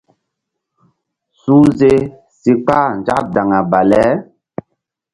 Suhze si ka̧h nzak daŋa bale.